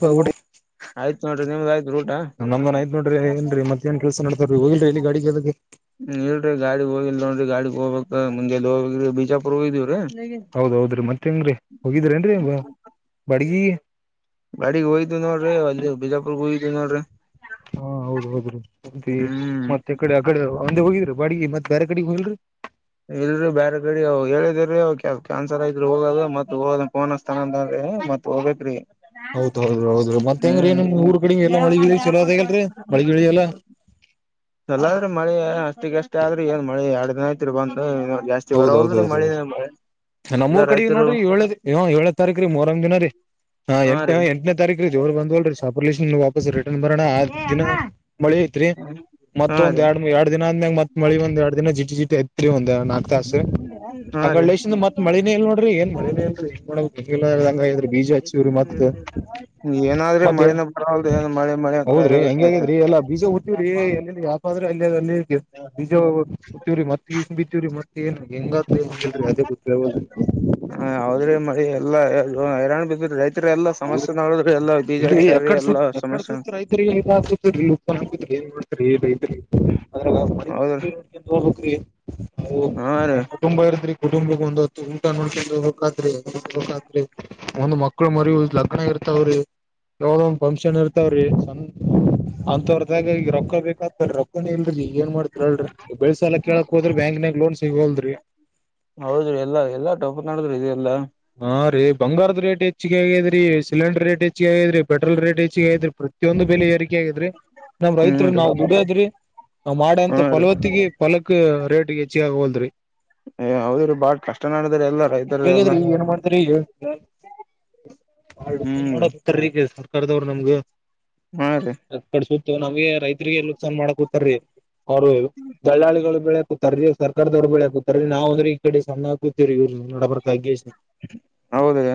ಪ ಹಲೋ ಊಟ ಆಯ್ತು ನೋಡ್ರಿ ನಿಮ್ದ ಆ ನಮ್ದುನು ಐತ್ ನೋಡ್ರಿ ಏನ್ರಿ ಮತ್ಯಾನ ಕೆಲಸ ನಡದವ್ರಿ ಹೋಗಿಲ್ರಿ ಎಲ್ಲಿಗ ಗಾಡಿಗಿ [unintelligible] ಬದಗೆ ಹ್ಮ ಇಲ್ರಿ ಗಾಡಿ ಹೋಗಿಲ್ ನೋಡ್ರಿ ಗಾಡಿಗ್ ಹೋಬೇಕ ಮುಂಜೆಲಿ ಹೋಗ್ರೀ ಬೀಜಾಪುರಕ್ ಹೋಗಿದೀವ್ರಿ. ಹೌದೌದ್ರೀ ಮತ್ತ ಹೆಂಗ್ರಿ ಹೋಗಿದರೆನ್ರೀ ಬ ಬಾಡಗಿಗಿ. ಬಾಡಿಗೀಗ ಹೋಗಿದ್ವ ನೋಡ್ರಿ ಅಲ್ಲಿ ಬಿಜಾಪುರ್ಕ ಹೋಗಿದ್ವಿ ನೋಡ್ರಿ. ಹಾ ಹೌದ ಹೌದ್ರಿ ಸಂತಿ ಹ್ಮ್ ಮತ್ತ ಎಕಡಿ ಅಕಡಿ ಒಂದೆ ಹೋಗಿದ್ರಿ ಬಾಡ್ಗಿ ಮತ್ತ ಬ್ಯಾರೆ ಕಡಿಗ ಹೋಗಿಲ್ರಿ. ಇಲ್ರೀ ಬ್ಯಾರೆ ಕಡಿ ಅವು ಹೇಳಿದುರಿ ಅವ ಕ್ಯಾನ್ಸಲ್ ಐತ್ರಿ ಹೋಗೋದ ಮತ್ತ ಹೋಗದಫೋನ್ ಹಚ್ ತನ ಅಂದನ್ರಿ ಮತ್ ಹೋಬೆಕ್ರಿ. ಹೌದೌದೌದ ಹೌದ್ರಿ ಮತ್ತ ಹೆಂಗ್ರೀ ನಿಮ್ ಊರ್ ಕಡಿಗ ಎಲ್ಲ ಮಳಿಗಿಳಿ ಚಲೋದ ಇಲ್ರಿ ಮಳಿಗಿಳಿ ಎಲ್ಲ. ಚಲೋ ಅದ್ರಿ ಮಳಿ ಅಷ್ಟಗಷ್ಟೇ ಆದ್ರಿ ಏನ್ ಮಳೆ ಎರಡ ದಿನ ಆಯತ್ರಿ ಬಂದು ಜಾಸ್ತಿ [unintelligible] ಚ್ಚಿ ಬರವಲದ್ರಿ ಹೌದೌದೌದೌದು ಮಳಿ [unintelligible] ಮೆ ನಮ್ಮೂರ್ ಕಡಿಗ ನೋಡ್ರಿ ಏಳೆ ಏಳನೆ ತಾರೀಕರಿ ಮೂರಂ ದಿನ ರೀ. ಹಾ ಎಂಟ ಎಂಟನೆ ತಾರೀಕರಿ ಜೋರ್ ಬಂದುವಲ್ರಿ. ಪಾಪುಲೇಶನ ವಾಪಸ್ ರಿಟರ್ನ್ ಬರಣ ಆ ದಿನ ಮಳಿ ಇತ್ರಿ ಹಾ ಮತ್ತೊಂದ್ ರೀ ಎರಡ ಎರಡ್ ದಿನ ಆದ್ ಮ್ಯಾಗ ಮತ್ ಮಳಿ ಒಂದ ಎರಡ್ ದಿನ ಜಿರಿ ಜಿಟಿ ಹತ್ರಿ ಒಂದ ಎರಡ್ ನಾಕ್ ತಾಸ. ಹಾ ಆಕಡ ರೀ ಲೆಶನಾಗ ಮತ್ ಮಳಿನೆ ಇಲ್ ನೋಡ್ರಿ ಏನ್ ಮಳಿನೆ ಇಲ್ರಿ ಹೆಂಗ ಮಾಡ್ಬೆಕ್ [unintelligible] ಆಗೆದ್ರಿ ಬೀಜ ಹಚ್ಚಿವ್ರಿ ಮತ್. ಏನಾದ್ರಿ ಮತ್ತೆ ಮಳಿನ ಬರವಲ್ದು ಏನ್ ಮಳೆ ಮಳೆ ಅಂತ ಹೌದ್ರಿ ಹೆಂಗೆ ಕಾಯ್ಲಾಗೈತಿ ಆಗ್ಯಾದ್ರಿ ಎಲ್ಲಾ ಬೀಜ ಹುತ್ತಿವ್ರಿ ಎಲ್ಲಿ ಹೊದ್ರೆ ಅಲ್ಲಿದ ಅಲ್ಲಿ ಬೀಜ ಗೊತ್ತೀವ್ರೀ ಮತ್ ಇಷ್ಟನ್ ಬಿತ್ತಿವವ್ರರಿ ಮತ್ ಏನ್ ಹೆಂಗ್ ಹೇಳಲ್ರರಿ ಅದೇ ಗೊತ್ತ ಹ ಹೌದ್ರೀ ಮಳಿ ಎಲ್ಲ ಹೈರಾಣ ಬ್ರ ರೈತರಿ ಎಲ್ಲಾ ಸಮಸ್ಯೆ ನೋಡಿದ್ರೆ ಎಲ್ಲ ಇಲ್ರೀ ಎಕಡ್ ಸುತ್ತತ್ ಎಕಡ ಸುತ್ತತ್ ರೈತರಿಗೆ ಸರಿ ಹಿದ ಏನ್ ಮಾಡ್ತರಿ ರೈತರಿ ಅದ್ರಗ ಹೌದು [inaudible] ಹಾ ರೀ ತುಂಬಾ ಇರ್ದ್ರಿ ಕುಟುಂಬ ಒಂದತ್ತು ಊಟ ನೋಡ್ಕೊಂಡು ಹೋಗಾದ್ರಿ ಹತ್ರಿ ಒಂದ್ ಮಕ್ಳು ಮರಿಯುವುದ್ ಲಗ್ನ ಇರ್ತಾವ್ರಿ ಯಾವದ ಒಂದ್ ಫಂಕ್ಷನ್ ಇರ್ತಾವ್ರಿ ಅಂತವ್ರದಾಗ ಈಗ ರೊಕ್ಕ ಬೇಕ ರೊಕ್ಕನ ಇಲ್ರಿ ಏನ್ ಮಾಡ್ತ ಬೆಳಿಸಾಲ್ ಎಲ್ಲಾ ಕೇಳಕ್ ಹೋದ್ರ ಬ್ಯಾಂಕ್ನಾಗ ಲೋನ್ ಸಿಗೋವಲ್ರರಿ ಹೌದ್ರಿ ಎಲ್ಲಾ ಎಲ್ಲಾ ಟೋಪ ಮಾಡಿದ್ರರು ಇದು ಎಲ್ಲಾ. ಹಾ ರೀ ಬಂಗಾರದ ರೇಟ್ ಹೆಚ್ಚಿಗ ಆಗೈ್ರರಿ ಸಿಲಿಂಡರ್ ರೇಟ್ ಹೆಚ್ಚಿಗದ್ರಿ ಪೆಟ್ರೋಲ್ ರೇಟ್ ಹೆಚ್ಚಗ ಆಗ್ರಿ ಪ್ರಿಯೊಂದು ಬೆಲೆ ಏರಿಕೆ ಆಗಿದ್ರಿ ನಮ್ ಹ್ಮ್ ರೈತರು ರೀ ನಾವವು ದುಡದ್ರಿ ನ ಮಾಡಂತ ಹಾ ರೀ ಫಲವತ್ತಗ ಫಲಕ್ ರೇಟ್ ಹೆಚ್ಚ ಆಗ ಹೋಲ್ದ್ರಿ ಏ ಹೌದರು ಬಾಳ ಕಷ್ಟ ನಡಿದ್ರ ಎಲ್ಲಾ ರೈತರು ಎಲ್ಲಾ ಏ ಮಾಡ್ತ್ರೀ ಈಗಾ ಹ್ಮ್ ರೀ ಮಾಡತ ಈಗ ಸರ್ಕಾರದವರು ನಮ್ಗ. ಹಾ ರೀ ಕಡ್ಸುತ್ತ ನಮ್ಗೆ ರೈತರಿಗೆ ನೋಕ್ಸಾನ್ ಮಾಡ ಕೂತಾರೀ ಅವ್ರು ದಲ್ಲಾಳಿಗಳು ಬ ಬೆಳಕೂತ ರೀ ಸರ್ಕಾರದವ್ರುಳಕೂತಾರೆೀ ನಾವವು ಅಂದ್ರೆ ಈ ಕಡೆ ಸಣ್ಣಾಕತೀವರಿ ಇವ್ ನಡಬರಗಿ ಎಷ್ಟ [inaudible] ಹೌದ ರಿ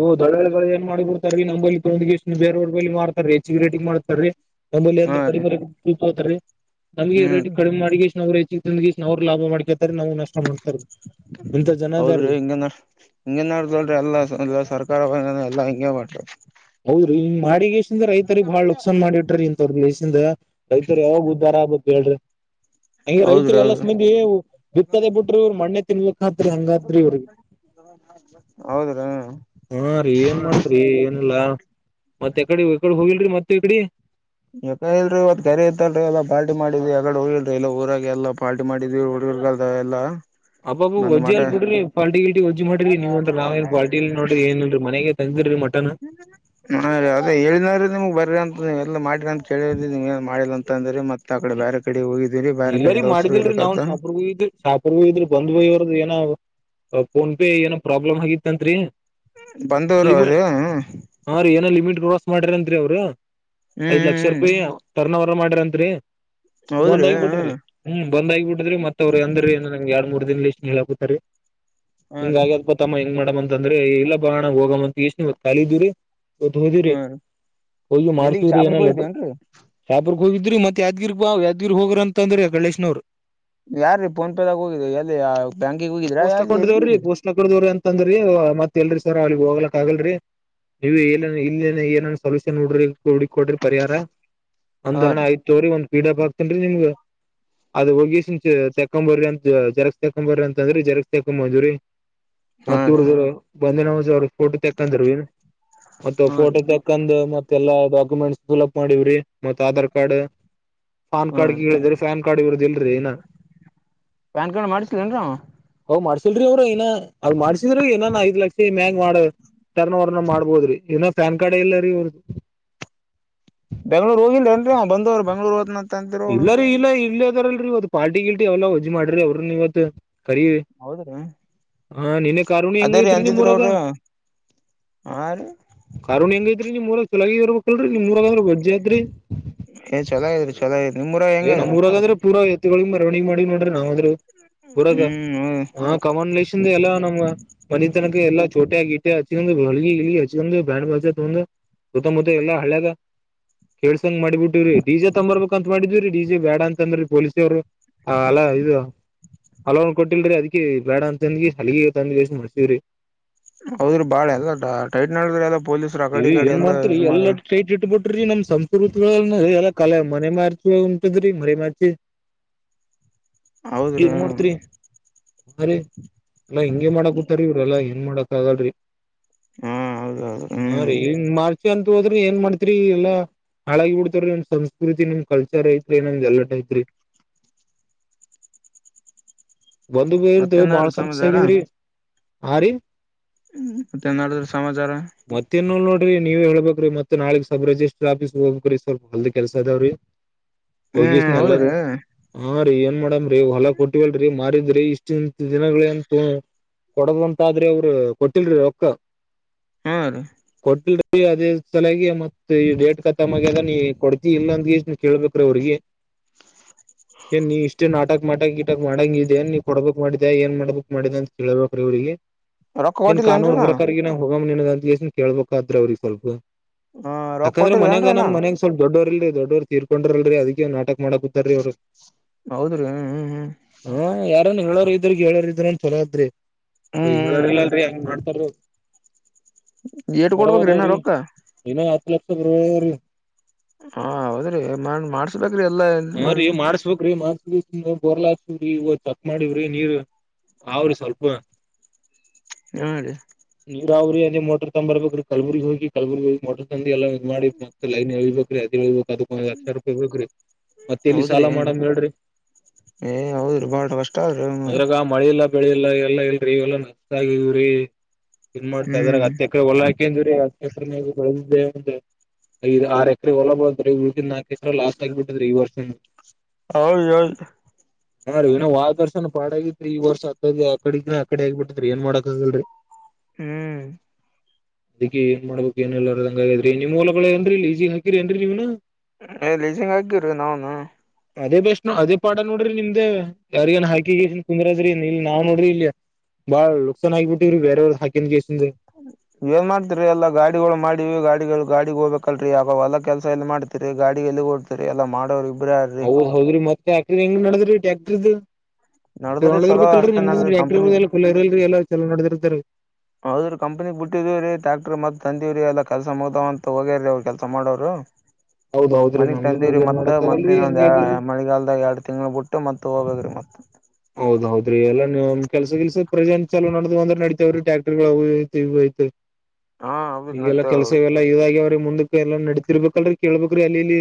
ಓ್ ದಡೋಳ ಏನ್ ಮಾಡಿ ಬಿಡ್ರ ರೀ ನಂಬಲ್ಲಿ ತೊಗೆಷ್ಟ ಬೇರವ್ರ ಬಲಿ ಮಾಡತಾರೀ ಹೆಚ್ಚಿಗೆ ರೇಟಿಂಗ ಮಾಡ್ತಾರೀ ನಮ್ಮಲ್ಲಿ ಹಾ ಅಂದ್ರ ರೀ ಕಡಿಮತೀ ನಮಗೆ ಹ್ಮ್ ರೇಟ್ ಕಡಿಮೆ ಮಾಡಿ ಇಷ್ಟ ನ ರೇ ಅವ್ರ್ ಲಾಭ ಮಾಡ್ಕೇತಾರೆ ನಾ ಹೌದ್ರಿ ಹಿಂಗಂದ ಹಿಂಗೇನ್ ನಡ್ದಲ್ರಿ ಎಲ್ಲಾ ಸರ್ಕಾರವ ಎಲ್ಲ ಹಿಂಗಗೆ ಮಾಡ್ರಿ. ಹೌದ್ರಿ ಇ್ ಮಾಡಿಗೆೇಶಿಂದ ರೈತರಿಗೆ ಬಾಳ ನುಕ್ಸಾನ್ ಮಾಡಿಟ್ಟ್ರೀ ಇಂತವ್ರ ದಸಿಂದ ರೈತರ್ ಯಾವಾಗ ಉ್ದ ಬರಾಬ ಹೇಳ್ರಿ ಹಂಗಗೆ ಹೌದ್ರಿ ರೈತರಿಗೆ ಎಲ್ಲಸ್ ಹೌದ್ರಿ ಮಂದಿ ಬಿತ್ತದೆ ಬಿಟ್ರು. ಇವರು ಮಣ್ಣೆ ತಿನ್ಬೇಕಕ್ತ್ರಿ ಹಂಗತ್ರಿ ಇವ್ರಿಗೆ ಹ ಹಾ ರೀ ಏನ್ ಮಾಡ್ತ್ರಿಏನ್ ಲ್ಲ ಮತ್ತೆ ಎಕಡೆಕಡೆ ಹೋಗಿಲ್ರಿ ಮತ್ತ ಈಕಡಿ? ಯಾಕ ಇಲ್ರಿ ಇವತ್ ಕರಿ ಇತ್ತಲ್ರಿ ಎಲ್ಲ ಪಾರ್ಟಿ ಮಾಡಿದಿ ಎಗಡೆ ಊ ಇಲ್ರಿ ಇಲ್ಲ ಊರಾಗ ಎಲ್ಲ ಪಾರ್ಟಿ ಮಾಡಿದೀವಿ ಹುಡುಗರ್ಗ ಎಲ್ಲ ಅಬ್ಬಬ್ಬ ವಜ್ಜ ಅಲ್ ಬಿರಿಫಾಟಿ ಗಲ್ಟಿಜ್ಜ್ ಮಾಡಿರಿ ನೀವ ಅಂತ ನಾವ ನ್ ಫಲ್ಟ ಅ ನೋ್ರಿ ಏನ್ರಿ ಮನೆಗೆ [inaudible] ಮಟನ್ ಹಾ ಅದೇ ಹೇಳಿದವ್ರೀ ನಿಮ್ಗ್ ಬ್ರಿ ಅಂತ ಎಲ್ಲ ಮಾಡ್ರ ಅಂತ ಕೇಳಿ ನಿಮ್ ಏನ್ ಮಾಡಿಲ್ಲ ಅಂತ ಅಂದ್ರ ಮತ್ತ ಆ ಕಡೆ ಬೇರೆ ಕಡೆ ಹೋಗಿದ್ದೀರಿ ಬೇರೆ ಕಡೆ ದೋಸ್ ಎ ಕಲ್ತ ಶಾಪುರ್ ಹೋಗಿದ್ರರು ಬಂದ್ ಭೋ ಇವರದ ಏನೋ ಫೋನ್ ಪೇ ಏನೋ ಪ್ರಾಬ್ಲಮ್ ಆಗಿತ್ತಂರಿ ಬಂದೂರು ಅದು ಹಾ ರೀ ಏನೋ ಲಿಮಿಟ್ ಕ್ರಾಸ್ ಮಾಡಾರತ್ರಿ ಅವರು ಐದ್ ಲಕ್ಷ ಹ್ಮ್ ರೂಪಾಯಿ ಟರ್ನ್ ಅವರ್ ಮಾಡಾರತ್ರಿ. ಒಂದ ಹೌದ್ರಿ ಆಗಿಬ ಹ್ಮ್ ಬಿಟ್ಟಿದ್ರಿ ಹ್ಮ್ ಬಂದ ಆಗಿಬ ಬಿಟ್ಟಿದ್ರ ಮತ್ತ ಅವ್ರು ಅಂದ್ರ ಏ ್ ಎರಡ್ ಮೂರ್ ದಿನ ಇಷ್ಟು ಹೇಳಕತಾರೆ ಹಾ ಹಿಂಗ ರೀ ಉತ್ತಮ್ಮ ಹೆಂಗ ಮಾಡ ಅಂದ್ರೆ ಇಲ್ಲ ಬಗಣ ಹೋಗ್ ಅಂತ ಎಷ್ಟು ಕಲಿದೀರಿ ಗದ ಹೋದಿರಿ ಹಾ ರೀ ಹೋಗಿ ಎಲ್ಲಿಗ್ ಮಾಡ್ಸವ್ರಿ ಶಾಪುರ್ಕ್ ಏನಲ್ಲಡ ಹೋಗಿದ್ದೇನ್ರಿ [unintelligible] ಶಾಹಾಪುರಕ ಹೋಗಿದ್ರಿ ಮತ್ ಯಾದ್ಗಿರ್ ಬಾವ ಯಾದ್ಗಿರ್ ಹೋಗ್ರಿಅಂತಂದ್ರ ಅಕಡಿಲೆಸ್ಸಿಂದ ಅವ್ರು. ಯಾರೀ ಫೋನ್ ಪೇದಾಗ ಹೋಗಿದ್ರಿ ಎಲ್ಲಿ ಆ ಬ್ಯಾಂಕಿಗೆ ಹೋಗಿದ್ರಾ ಅಲ್ಲಿ ಎಲ್ಲಿಗಿ ಹೋಗಿದ್ರಿ. [unintelligible] ಕರ್ದವ್ರಿ ಅಂತ ಅಂದ್ರಿ ಮತ್ ಇಲ್ರಿ ಸರ್ ಅಲ್ಲಿಗ್ ಹೋಗ್ಲಕ್ ಆಗಲ್ರಿ. ನೀವು ಏ ಇಲ್ಲಿ ಏನನ್ ಸೊಲ್ೂಷನ್ ನಡ್ರಿ ಹುಡ್ ಕೊಡ್ರಿ ಪರಿಹಾರ ಹಾ ಒಂದರಣ ರೀ ಆಯ್ತು [unintelligible] ಸೋರಿ ಒಂದ ಪೀಡಾಪ್ ಆಗ್ತೇನ್ರಿೀಮಗ [unintelligible] ಅದ ಹೋಗಿಸಿಂದತಕೊಂಬರ್ರಿ ಅಂತ ಜರಕ್ಸ್ ತಕೊಂಬರ್ರಿ ಅಂತಂದ್ರ ಜರಕ್ಸ್ ತಕೊ ಬಂದಿವಿರಿ. ಹಾ ಮತ್ತ ರೀ ಇವ್ರ ಬಂದೇನವಾಜ ಅವ್ರ ಫೋಟೋ ತೆಕ್ಕಂದರು. ಮತ್ತ ಹಾ ರೀ ಫೋಟೋ ತ ಕಂದ್ ಮತ್ತೆಲ್ಲಾ ಡಾಕ್ಯುಮೆಂಟ್ಸ್ ಫಿಲ್ಅಪ್ ಮಾಡವ್ರಿ ಮತ್ ಆಧಾರ್ ಕಾರ್ಡ್ ಫಾನ್ ಹಾ ಕಾರ್ಡ್ಗೆ ರೀ ಕೇಳಿದ್ರರಿ ಫ್ಯಾನ್ ಕಾರ್ಡ್ ಇವರದ್ ಇಲ್ರಿ ಇನ್ನಾ ಪ್ಯಾನ್ ಕಾರ್ಡ್ ಮಾಡ್ತಿಲೇನ್ರಿ ಅವಾ ಹ್, ಮಾಡ್ಸಿಲ್ರಿ ಅವ್ರ ಇನ್ನಾ ಅವ್ರು ಮಾಡ್ಸಿಲ್ ಇನ್ ಐದ ಲಕ್ಷ ಮ್ಯಾಗ್ ಮಾಡಬೇಕ ಟರ್ನವರ ಮಾಡ್ಬೋದ್ರಿ ಇನ್ನಾ ಪ್ಯಾನ್ ಕಾರ್ಡ್ ಇಲ್ಲಾ ರೀ ಇನರದು. ಬೆಂಗಳೂರು ಹೋಗಿಲ್ಲೇನ್ರಿ ಬಂದೋರ ಬೆಂಗಳೂರ ಹೋತ್ನಂದ. ಇಲ್ಲಾರಿ ಇಲ್ಲ ಇಲ್ಲೇದಾರಲ್ರಿ ಇವತ್ ಪಾರ್ಟಿ ಗಿಟಿ ಎಲ್ಲಾ ವಜ್ಜ ಮಾಡರ ರಿಅವ್ರನ್ ಇವತ್. ಕರಿ, ಹೌದ್ರಿ ಹಾ ನಿನ್ನ ಕಾರ ಹುಣ್ಣಿಮೆ ಅದೇ ರೀ ಹೆಂಗೈತ್ರಿ ನಿಮ್ಮ ಅಂದಿದ್ರು ಊರಗ. ಅವ್ರು ಹಾ, ರಿ ಕಾರ ಹುಣ್ಣಿಮೆಹೆಂಗೈತರಿ ನಿಮ್ಮ ಊರಗ ಚೋಲಾಗಿ ಇರ್ಬೇಕಲ್ರಿ ನಿಮ್ ಊರಗ ವಜ್ಜಿ ಐತ್ರಿ, ಏಯ್ ಚೋಲಾಗದರಿ. ಚೋಲಾಗದ್ರಿ ನಿಮ್ಮ ಊರಗ ಏನ್ ನಮ್ಮ್ ಊರಾಗ ಆದ್ರೆ ಪೂರಾ ಎತ್ತಿಗಳಿಗೆ ಮೆರವಣಿಗೆ ಮಾಡಿ ನೋಡ್ರೆ, ನಾವ್ ಆದ್ರೂ ಊರಾಗ ಹ್ಮ್ ಕಾಮನ್ಲೇಷನ್ ಎಲ್ಲಾ ನಮ್ಮ ಮನ ತನಕ ಎಲ್ಲಾ ಚೋಟ್ಯಾ- ಗಿಟ ಹಚ್ಕೊಂಡ [unintelligible] ್ಯಾಂಡ [unintelligible] ಬ ತಂದು ಸುತ್ತ ಮುತ್ತ ಎಲ್ಲಾಹಳ್ಳ್ಯಾಗ. ಕೇಸಂಗ ಮಾಡಿ ಬಿಟ್ಟಿವ್ರೀಡಿಜತಂಬರ್ಬೇಕ ಅಂತ ಮಾಡಿದ್ವಿರಿ. ಡಿಜೆ ಬ್ಯಾಡ ಅಂತಂದ್ರ ಪೊಲೀಸರು ಅಲ್ಲ ಇದು ಹಲೋವ್ ಕೊಟ್ಟಿಲ್ರಿ ಅದಕಿ ಬ್ಯಾಡ ಅಂತಂದಿ ಹಲಿಗೆ ತಂದ್ಗೆಸಿಂದ ಬಿಟ್ಟಿವ್ರಿ. ಹೌದ್ರಿ ಬಾಳ ಎಲ್ಲ ಟೈಟ್ ನಡಿದ್ರ ಎಲ್ಲಾ ಪೊಲೀಸರು ಆಕಡಿ ಇ ಇಕಡಿ ಏನ್ ಎಲ್ಲಾ ಮಾಡ್ತರಿ ಎಲ್ಲಾ ಇದಮಾಡ್ರಿ ಟೈಟ್ ಇಟ್ಟಬುಟ್ಟು ನಮ್ ಸಂಸ್ಕೃತಿ ಎಲ್ಲ ಕಲೆ ಮನೆ ಮಾರ್ಚ [unintelligible] ಮರಿ ಮಾಡತಿ ಹೌದ್ರಿ ಏನ್ ಮಾಡ್ತ್ರಿ [unintelligible] ಹರೇಎಲ್ಲಾ ಹಿಂಗೆ ಮಾಡಕೂತಾರಿ ಎಲ್ಲಾ ಏನ್ ಮಾಡಕ್ ಆಗಲ್ರಿ. ಹಾ ಹೌದೌದು ಹಾ, ಹ್ಮ್ ರಿಇ [inaudible] ಮಾರ್ಚ್ ಅಂತ ಹೋದ್ರೆ ಏನ್ ಮಾಡ್ತರಿ ಎಲ್ಲಾ ಹಾಳಾಗಿ ಬಿಡ್ತವ್ರಿ ನಮ್ ಸಂಸ್ಕೃತಿ, ನಮ್ ಕಲ್ಚರ್ ಐತಿ ನಂದ ಎಲ್ಲೋಟ ಐತ್ರಿ. ಹೊಲ್ದಗೋಳ್ದು ಬಾಳ ಮತ್ತೇನಾದ್ರು ಸಮಸ್ಯೆ ಸಮಾಚಾರ ಆಗೆದ್ರಿ, ಆ ರೀ ್ ಮತ್ತೇನ ನಡದಾದರಿ ಸಮಾಚಾರ. ಮತ್ತೇನಿಲ್ಲ ನೋಡ್ರಿ ನೀವ ಹೇಳ್ಬೇಕ್ರಿ ಮತ್ ನಾಳೆ ಸಬ್ರಿಜಿಸ್ಟ್ರರ್ ಆಫೀಸ್ ಹೋಗಬೇಕ್ರಿ. ಸ್ವಲ್ಪ ಹೊಲ್ದ ಕೆಲಸ ಅದಾವ್ರೀ ಹ್ಮ್ ಹೋಗೆಸಿಂದ ಎಲ್ಲದು ಹೌದ್ರಿ ಹಾ ರೀ ಏನ್ ಮಾಡಮ್ರಿಹೊಲ ಕೊಟ್ಟಿವಲ್ರಿ ಮಾರಿದ್ರಿ ಇಷ್ಟ ಇಂತತ್ ದಿನಗಳ ಅಂತು ಕೊಡದ್ವಂತ ಆದ್ರೆ ಇವ್ರು ಕೊಟ್ಟಿಲ್ರರೊಕ್ಕ. ಹ ರ [inaudible] ಕೊಟ್ಟಿಲ್ರಿ ಅದೇ ಸಲಯಾಗಿ ಮತ್ತ ಈ ಡೇಟ್ ಕಖತ್ತಮ ಆಗೇದ ನೀ ಕೊಡ್ತಿಇಲ್ಲಂದ ಕೇಳ್ಬೇಕು. ಅವರಿಗೆ ಏನ್ ನೀ ಇಷ್ಟೇ ನಾಟಕ ಗಿಟಕ ಮಾಡಂಗ ಇದೇನ್ ನೀ ಕೋಡ್ಬೇಕ್ ಮಾಡಿದೆ ಅಂತ ಕೇಳ್ಬೇಕ್ರೀ ಇವ್ರಿಗೆ. ರೊಕ್ಕ ಏನ್ ಕಾನೂನು ಕೊಟ್ಟಿಲ್ಲೇನ್ರಿನಾ ಪ್ರಕಾರ ಹೋಗಮ್ ಎನ್ ನಿನಗ ಅಂತಕೇಳ್ಬೇಕಾತ್ದ್ರಿ ಅವ್ರಿಗೆ ಸ್ವಲ್ಪ ಹ ರೊಕ್ಕ ಯಾಕಂದ್ರೆ ಮನ್ಯಾಗ ಕೊಟ್ಟಿಲ್ಲೇನ್ರಿನಾ ನಮ್ಮ ಮನ್ಗ್ ಸ್ವಲ್ಪ ದೊಡ್ಡವರ್ ಇಲ್ರಿ ದೊಡ್ಡವರು ತೀರ್ಕೊಂಡ್ರರ್ಲ್ರಿ ಅದಿ ನಾಟಕ ಮಾಡಕ್....... ಕೂತಾರೀ ಹೌದ್ರ ಹ್ಮ್ ಹ್ಮ್...... ಹ್ಮ ಯಾರನ್ ಹೇಳೋರು ಇದ್ರ ಕೇಳ್ರ ಹೇಳೋರ್ ಇದ್ರನ್ ಚಲೋ ಆದ್ರಿ ಹೇಳ್ರ ಹ್ಮ್ ಇಲ್ಲ ಅಂದ್ರಹಂಗ ಮಾಡ್ತಾರ ರಿ ಅವ್ರ ಹ್ಮ್ ಏಟ್ ಬರ ಕೊಡ್ಬೇಕ್ರಿ ಇನ್ನ ಹದವ್ರೀ ರೊಕ್ಕ ಇನ ಹತ್ತು ಲಕ್ಷ ಬರೋಬ್ಬರಿ ಹಾ ಹೌದ್ರಿ ಮನ್ ಮಾಡ್ಸ್ಬೇಕ್ರಿ ಎಲ್ಲಾ...... ಹ ಮಾಡಿ ರೀ ಮಾಡಸ...... ಕ್ರೀ ಮಾಡಸ ಬೋರ್ಲಾಸ್ರಿ ಇ ಚಕ್ ಮಾಡಿವ್ರಿ ನೀರ್ ಅವ್ರಿ ಸ್ವಲ್ಪ.... ಅ [inaudible] ಹೇಳ ರೀ ನೀವ್ರಾವ್ರೀ ಅಂದ ಮೋಟರ್ ತೊಬರ್ಬೇಕ್ರೀ ಕಲಬುರ್ಗಿ ಹೋಗಿ ಕಲಬುರ್ಗಿ ಹೋಗ ಮೋಟರ್ ತದ್ದ ಎಲ್ಲ ಮಾಡಿ ಮತ್ತ ಲೈನ್ ಹೇಳ್ಬೇಕು ಅದನ್ ಅಳ್ಬೇಕ ಅದು ಒಂದ ಹತ್ತಸಾವಿರ ಮತ್ತೆ ಎಲ್ಲಿ ಹೌದ್ರಿ ಸಾಲ ಮಾಡ್ಮ ಹೇಳರಿ ಏ ಹೌದ್ರಿ ಬಾಳ ಕಷ್ಟ ಆದ್ರಿ ಅದರಾಗ ಮಳೆ ಇಲ್ಲ ಬೆಳಿ ಇಲ್ಲ ಎಲ್ಲ ಇಲ್ರಿ ಇವೆಲ್ಲ ನಷ್ಟ ಆಗಿದವ್ರೀ ಇನ್ ಮಾಡ್ತಾದ್ರ ಅ...... ಹ್ಮ್ ಹತ್ತ ಎಕರೆ ಹೊಲ ಹೋಕೋದ್ವರಿ [unintelligible] ಐದ ಆ ಎಕರೆ ಹೊಲ ಬೆಳೆದ ರಿ ಉಳದಿದ ನಾಕ ಎಕರೆ ಲಾಸ್ಟ್ ಆಗಿಬಿಟ್ಟಿದ್ರೀ ಈ ವರ್ಷನು ಹೌದು ಹೌದು..... ಅ [inaudible] ಹಾ ರಿ ಹೊದ ವರ್ಸನಾ ಪಾಡಗಿತ್ತರಿ ಈ ವರ್ಷ ಹತ್ತ ಆ ಕಡಗ್ರ ಆ ಕಡೆ ಆಗಿಬಿಡ್ಡತ್ತರಿ ಏನ್ ಮಾಡಕ್ ಆಗಲ್ರಿ..... ಹ್ಮ್...... ಅದಿ ಏನ್ ಮಾಡ್ಬೇಕಕ್ ಏನಲ್ಲದ ಹಂಗ ಆಗ್ರೀ ನೀವುಲಗಳ ಏನ್ರಿ ಇ ಈಜಗ ಹಕಿರಿ ನ್ರಿ ನೀವ್ನ...... ಲೀಜಂಗ ಆಗಿರು ನಾವನು....... ಅದೇ ಬೆಸ್ಟ್ ಅದೇ ಪಾಡ ನೋಡ್ರಿ ನಿಮ್ದ ಯಾರಿಗಏನ್ ಹಾಕಿಗನ್ ಕುಂದ್ರ ಅಂದ್ರೀ ಇಲ್ಲಿ ನಾವ ನೋಡ್ರಿ ಇಲ್ಲಿ..... ಬಾಳ ಲುಕ್ಸಾನ್ ಆಗಿಬಿಟ್ಟಿವರೀ ಬೇರವ್ರ ಹಾಕನ್ ಕೆಷ್ಟನ್....... ಏನ್ ಮಾಡ್ತಿರಿ ಎಲ್ಲ ಗಾಡಿಗಳು ಮಾಡಿವವಿ ಗಾಡಿಗಳು ಗಾಡಿಗ್ ಹೋಗ್ಬೇಕಲ್ರರಿ ಯಾವ ಹೊಲ ಕೆಲ್ಸ ಎಲ್ಲಿ ಮಾಡ್ತಿರಿ ಗಾಡಿ ಎಲ್ಲಿಗ್ ಸರಿ ಎಲ್ಲ ಮಾಡೋರಿಗೆ.... ಹೌದ ಹೌದ್ರಿ ಮತ್ತೆ ಆಕ್ರ್ ಹೆಂಗ ನಡದ್ರಿ ಟ್ಯಾಟ್ರಿಕ್ದ್........ ಚೊಲು ನಡದ್ರಿ ಚಲೋ ನಡೆದಿರ್ರ್ಬೇಕಲ್ರಿ ಅಷ್ಟ ನಿಮ್ದ ನಡದ್ರಿ ಕಂಪನಿ ಟ್ಯಾಟ್ರಿಕ್ ಫುಲ್ ಇದರಲ್ರಿ ಎಲ್ಲ ಚಲೋ ನೋಡದಿರ್ತರಿ...... ಹೌದ್ರೀ ಕಂಪನಿಗ್ ಬಿಟ್ಟಿದೀ ರೀ ಟಾಕ್ಟರ್ ಮತ್ ತಂದಿವ್ರ ರ ಎಲ್ಲ ಕೆಲಸ ಮುಗ್ದವ ಅಂತ ಹೋಗ್ಯಾರ್ರೀ ಅವರು ಕೆಲಸ ಮಾಡೋರು..... ಹ [inaudible] ಮನಗ್ ತಂದಿವ್ರರಿ ಮತ್ತ ಮತ್ತ ಇನ್ನೊಂದ ಹಂಗೆ ಆಗ್ಯಾರಿ ಮಳಿಗಾಲದಾಗ ಎರಡ್ ತಿಂಗ್ಳ ಬಿಟ್ಟ ಮತ್ತ ಹೋಗೋದ್ರರು ಮತ್ತ ಹೌದ ಹೌದ್ರಿ ಎಲ್ಲಾ ಕೆಲ್ಸ ಕೆಲ್ಸ ಪ್ರಜೆಂ ಚಲೋ ನೋ ಅ್ರ ನಡಿತವ್ರೀ ಟ್ಯಾಕ್ಟರ್ಗಳು ಐತಿ ಐತಿ ಹ ಹಾ [inaudible] ಹೌದ್ರಿ ಈಗೆಲ್ಲಾ ನಡ್ತೇವ್ ಕೆಲ್ಸ ಹೌದ್ರಿ ಇವೆಲ್ಲ ಇದಾಗ್ಯ ಅವ್ರೀ ಮುಂದಕ್ಕೆ ಎಲ್ಲಾ ನಡತಿರ್ಬೇಕಲ್ರೀ ಕೇಳ್ಬೇಕ್ರಿ ಅಲ್ಲಿ ಇಲ್ಲಿ.......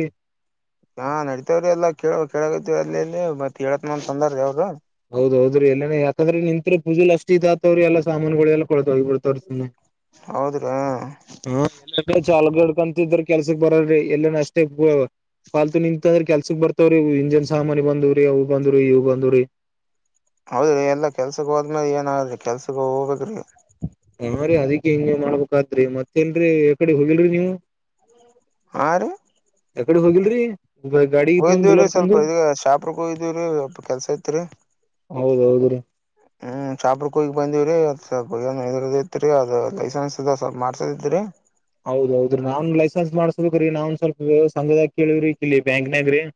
ಹಾ ನಡಿತತವ್ರಿ ಎಲ್ಲ ಕೇಳ್ ಕೇಳ ಅಲ್ಲಿಲ್ಲಿ ಮತ್ತತ್ ಹೇಳತ್ ತಂದಾರೀ ಅವ್ರು.... ಹೌದೌದ್ರ ಎಲ್ಲನೆ ಯಾಕಂದ್ರ ನಿಂತ್ ಪೂಜಲಿ ಅಷ್ಟ ಇತತ್ವ್ರ ಎಲ್ಲ ಸಾಮಾನುಗಳೆಲ್ಲ ಕೋಲ್ತಹೋಗ್ಬಿಡುತ್ತೆ........ ತೋರಿಸ್ತೀನಿ..... ಹೌದ್ರಿ ಹಾ ಹ ಎಲ್ಲ ಚಾಲ್ಗಡ್ ಕಂತಿದ್ರ ಕೆಲ್ಸಕ್ ಬರ್ರರಿ ಎಲ್ಲನ ಅಷ್ಟೇ... ಪಾಲ್ತು ನಿಂತಂದ್ರೆ ಕೆಲ್ಸಕ್ ಬರ್ತಾವ್ರೀ ಇಂಜನ್ ಸಾಮಾನನ್ ಬಂದವ್ರಿ ಅವು ಬಂದುವ್ರಿ ಇವು ಬಂದುವ್ರಿ.... ಹೌದ್ರಿ ಎಲ್ಲಾ ಕೆಲ್ಸಕ್ ಹೋದ್ಮೇಲೆ ಏನ್ ಆದ್ರೆ ಕೆಲ್ಸಕ್ ಹೋಗ್ಬೇಕ್ರೀ..... ಹಾ ರೀ ಅದಿ ಹೆಂಗ ಹೆಂಗ ಮಾಡಬೇಕಾದ್ರಿ ಮತ್ತೇನ್ರೀ ಯ ಕಡೆ ಹೋಗಿಲ್ರರಿ ನೀವು.... ಹ ರೀ.... ಯಕಡೆ ಹೋಗಿಲ್ರಿ..... ಗಾಡಿ ತಗೊಂಡ್ ಹೋಯ್ದೀವ್ರಿ ಬುಲರ್ ತಂದು ಸ್ವಲ್ಪ ಇದ ಶಾಪ್ರ ಹೋಯ್ದೀವ್ರಿ ಸ್ವಲ್ಪ ಕೆಲ್ಸ ಇತ್ತ ರಿ ಹೌದೌದ್ರಿ ಹ್ಮ್, ಶಾಪುರುಕ ಹೋಗಿ ಬಂದಿವಿರಿ ಅದ್ ಸ್ವಲ್ಪ ಏದ ಇತ್ರಿ ಅದ ಲೈಸೆನ್ಸ್ದ ಸ್ವಲ್ಪ ಮಾಡ್ಸದಿತ್ರಿ. ಹೌದೌದ್ರಿ, ನಾನ್ ಲೈಸೆನ್ಸ್ ಮಾಡ್ಸ್ಬೇಕ್ರಿ ನಾವನ್ ಸ್ವಲ್ಪ ಸಂಘದ ಕೇಳವ್ರಿ ಕಿಲ್ಲಿ ಬ್ಯಾಂಕ್ನಾಗ್ರಿ ಹ [inaudible]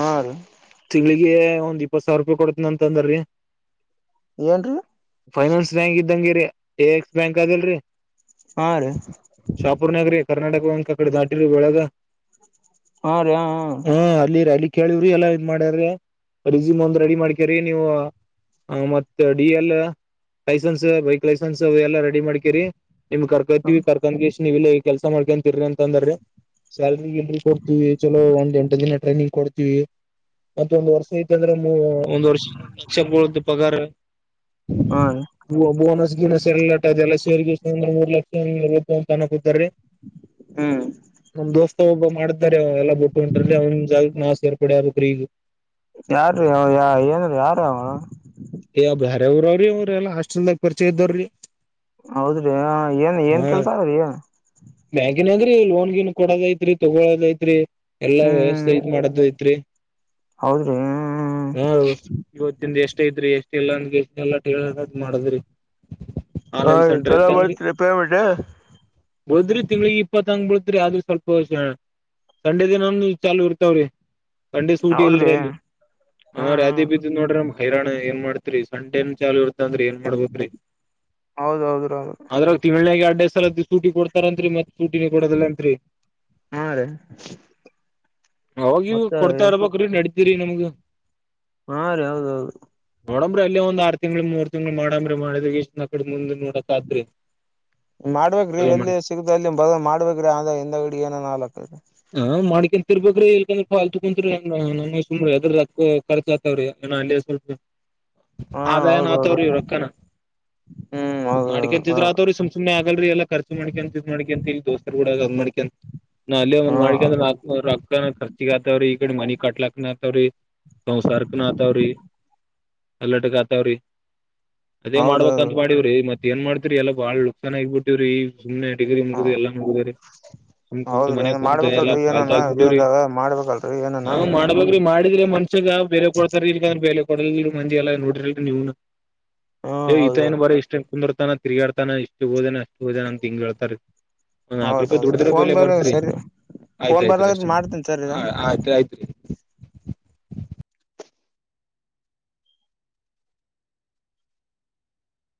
ಹಾದು [unintelligible] ತಿಂಗ್ಳಿಗೆ ಒಂದ್ ಇಪ್ಪತ್ ಸಾವಿರ ರೂಪಾಯಿ ಕೊಡತನ ಅಂತ ಅಂದ್ರಿ ಏನ್ರಿ ಫೈನಾನ್ಸ್ ಬ್ಯಾಂಕ್ ಇದ್ದಂಗೆರಿ ಎ, ಎಕ್ಸ್ ಬ್ಯಾಂಕ್ ಅದಲ್ರಿ ಹಾ, ರೀ ಶಾಪೂರ್ದಗರಿ ಕರ್ನಾಟಕ ಬ್ಯಾಂಕ್ ಕಡೆ ದಾಟಿ ಬೆಳಗದ [unintelligible] ಹಾ ರೀ ಹಾ ಹ್ಮ್, ಅಲ್ಲಿರಿ ಅಲ್ಲಿ ಕೇಳವ್ರಿ ಎಲ್ಲಾ ಇದ್ ಮಾಡ್ಯ್ರಿ ರಿಸ್ಯೂಮ್ ಒಂದ್ ರೆಡಿ ಮಾಡ್ಕ್ಯ್ರಿ ನೀವು ಹ್ಮ್, ಮತ್ತ D, L licence bike, licence ಎಲ್ಲಾ ರೆಡಿ ಮಾಡ್ಕೀರಿ. ನಿಮ್ ಹಾ ಕರ್ಕತಿವಿ ಕರ್ಕೊಂಡ ಗೆಸಿಂದ ನೀವ ಇಲ್ಲ ಕೆಲ್ಸ ಮಾಡ್ಕೊಂತೀರಿಅಂತ ಅಂದ್ ರಿ. ಸ್ಯಾಲ್ರಿ ಇಲ್ರಿ ಕೊಡ್ತೀವಿ ಚಲೋ ಒಂದ್ ಎಂಟು ದಿನ ಟ್ರೈನಿಂಗ್ ಕೊಡ್ತೀವಿ. ಮತ್ತ ಒಂದ ವರ್ಷ ಯಾಕಂದ್ರೆ ಒಂದ್ ವರ್ಷ ಒಂದ್ ಲಕ್ಷ ಬೂಳತದ ಪಗಾರ. ಹಾ ರೀ ಬೋನಸ್ -ಗಿನಬ ಲೇಟಾದೆಲ್ಲ ಶೇರ್ಂದ್ರ [unintelligible] ಮೂರು ಲಕ್ಷ ತಾನ ಕೂತಾರ ಹ್ಮ್ ನಮ್ ದೋಸ್ತ ಒಬ್ಬವ ಮಾಡತಾರಿ ಎಲ್ಲಾ ಕೊಟ್ಟು ಒಂಟ್ರಲ್ಲಿ ಅವ್ನ ಜಾಗಕ ನಾನು ಸೇರ್ಪಡೆ ಆಗಬೇಕ್ರೀ ಈಗ. ಯಾರೀ ಅವಾ [unintelligible] ಏನ್ ಯಾರಿ ಅವಾ ಏಯ್ ಬ್ಯಾರೆ ಊರವ್ರಿಗೆಅವ್ರೆಲ್ಲಾ ಹಾಸ್ಟೆಲ್ದಾಗ ಪರಿಚಯ ಇದ್ದಾವ್ರೀ. - ಹೌದ್ರಿ, ಏನ್ ಏನ್ ಕೆಲ್ಸ ಅದ್ರಿ ಬ್ಯಾಂಕಿನಗ್ರಿ ಲೋನ್- ಗಿನ್ ಕೊಡೋದ ಐತ್ರಿ ತಗೋಳದ ಐತ್ರಿ. ಎಲ್ಲಾ ವ್ಯವಸ್ಥೆ ಹ್ಮ್ ಇದ್ ಮಾಡದ ಐತ್ರಿ [unintelligible] ಹೌದ್ರಿ ಹ್ಮ್ ಹ ಇವತ್ತು ತಿಂದ ಎಷ್ಟ ಐತ್ರಿ ಎಷ್ಟ ಇಲ್ಲ ಅಂದ [unintelligible] ಎಷ್ಟ ಎಲ್ಲ ಮಾಡದ್ರಿ ಆನ್ ಹಾ ಲೈನ್ ರೀ ಸೆಂಟರ್ ಚಲೋ ಇದ್ದಂಗೆ. ಬರ್ತರಿ ಪೇಮೆಂಟ್ ಬುಳ್ತದರಿ ತಿಂಗಳಿಗೆ ಇಪ್ಪತ್ತಂಗ ಬಿಳ್ತದರಿ ಆದ್ರೂ ಸ್ವಲ್ಪ ಸಂಡೆ ದಿನಾನು ಚಾಲೂ ಇರ್ತಾವ್ರಿ. ಸಂಡೆ ಸೂಟಿ ಹೌದ್ರಿ ಇಲ್ರಿಅಲ್ಲಿ ಹಾ ರಿ ಬಿದ್ದೀವಿ ನೋಡ್ರಿ ಹೈರಾಣ ಏನ್ ಮಾಡ್ತಿ ತ್ರಿ ಸಂಡೆನುಚಾಲವು ಇರ್ತವ ಅಂದ್ರೆಏನ್ ಮಾಡ್ಬೇಕ್ರಿ ಹೌದ, ಹೌದು, ಹೌದು ಅದ್ರಾಗ ತಿಂಗಳಾಗಯಾಡ್ಡೆ ಸಲದ್ದ ಸಟಿ [unintelligible] ಕೊತಾರಂತ್ತೀರಿ ಮತ್ತ ಸೂಟಿನುಕೊಡೋದಿಲ್ಲ ಅಂತೀರಿ. ಹಾ, ರೀ ಅವಾಗಿವಾಗ ಮತ್ತ ಕೊಡ್ತಾ ಇರಬೇಕ್ರಿ ನಡತಿರಿ ನಿಮಗ ಹಾ, ರಿ ಹೌದೌದು ನೋಡಂಬ್ರಿ ಅಲ್ಲಿ ಒಂದ ಆರ್ ತಿಂಗಳ, ಮೂರ್ ತಿಂಗಳು ಮಾಡಂಬ್ರಿ ಮಾಡಿಗೆಸಿಂದ ಆ ಕಡೆ ಮುಂದ್ ನೋಡಕ ಆತದ್ರಿ. ಮಾಡ್ಬೇಕ್ರಿ ಎಲ್ಲಿ ಸಿಗುತ್ತದ ಅಲ್ಲಿ ಬಗನ ಮಾಡ್ಬೇಕ್ರೀ ಆದ ಹಿಂದ ಗಡಿಗಿಏನನಾನಾಗಲ್ಕರಿ. ಹಾ, ಮಾಡ್ಕಕಂತ ಇರಬೇಕ್ರಿ ಇಲ್ಕಂದ್ರ ಪಾಲ್ ತಕುಂತ್ರ [unintelligible] ನಮ್ಮ ಸು ಯದ ಕರ್ಚಾತವರಿ [unintelligible] ನಏ ಅಲ್ಲಿ ಸ್ವಲ್ಪ ಹಾ ಆದಾಯನು ಹೌದೌದು ಆತವ್ರಿ ರೊಕ್ಕನ ಹ್ಮ್ ಹೌದೌದು ಮಾಡ್ಕಂತಿದ್ರ ಆತವ್ರಿ ಸು ಸುಮ್ನೆ ಆಗಲ್ರಿ ಎಲ್ಲ. ಖರ್ಚು ಮಾಡಿಕಂತ ಇದ್ ಮಾಡಕ ಅಂತ ಇಲ್ಲಿ ದೋಸ್ತರ ಗೂಡಗಅದ್ ಮಾಡಕಂತ ನ ಅ [unintelligible] ಹ್ಮ್ ಮಾಡಕಂದ್ರ ರೊಕ್ಕನುಖರ್ಚಿಗಿ ಆತವ್ರೀ ಈ ಕಡೆ ಮನಿ ಕಟ್ಲಕ್ನ ಆತಾವ್ರಿ. ಸಂಸಾರಕ್ಕನ ಆತಾವ್ರಿ ಎಲ್ಲಾಟಕ್ಕ ಆತಾವ್ರಿ. ಅದೇ ಮಾಡ್ಬೇಕ ಹೌದೌದು ಅಂತ ಮಾಡವ್ರೀ. ಮತ್ತ ಏನ್ ಮಾಡ್ತಿರಿ ಎಲ್ಲ ಬಾಳ ಲುಕ್ಸನ್ ಆಗ್ಬಿಟ್ಟಿವಿ ಈ ಸುಮ್ನೆ ಡಿಗ್ರಿ ಹ ಮುಗಿದುದ ಎಲ್ಲ ಮುಗಿದರಿ ಸಮ್ ಕುಂತ ಹೌದ್ರಿ ಮನೆಗ ಏನ್ ಕುಂತ ಎಲ್ಲ ಮಾಡ್ಬೇಕಲ್ರರಿ ಏನನ ಪಾತ್ಾಬಿ [unintelligible] ಟ್ಟವ್ರಿ ಜೀವನ್ದಾಗ ಮಾಡ್ಬೇಕಲ್ರರಿ ಏನನ ಹ ಮಾಡ ನಬ್ರಿ ಮಾಡಿದ್ರೆ ಮನ್ಷ್ಯ ಬೇಲೆ ಕೊಡ್ತಾರ ಇಲ್ ಬೇಲೆ ಕೊಡಲ್ ಮಂದಿ ಎಲ್ಲ ನೋಡ್ರಲ್ ನೀವ ಹ್ಮ ಯ್ ಇತ ಏನ್ ಹೌದೌದು ಬರ ಇಷ್ಟ ಕುಂದಿರ್ತಾನ ತಿರ್ಗಾಡ್ತಾನ ಇಷ್ಟು ಓದೇನ ಅಷ್ಟು ಓದೇನ ಅಂತ ಹಿಂಗೆೇಳ್ತಾರ್ ರೀ ಒಂದ್ ನಾಲ್ಕ ರೂಪಾಯಿ ಹೌದೌದು ದುಡದ್ರ ಫೋನ್ ಬೆಲೆ ಬರ ಬತ್ರಿ ಸರಿ ಆಯ್ತು ಫೋನ್ ಆಯ್ತ್ರಿ ಬರ್ಲಾಗತ್ ಅಷ್ಟ ಮಾಡ್ತೇನಿ ಸರ್ ಈಗ ಆಯ್ತ್ ಆಯ್ತ್ರಿ